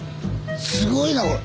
すごいなこれ！